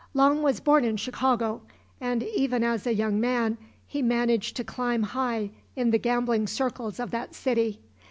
Long was born in Chicago and even as a young man he managed to climb high in the gambling circles of that city.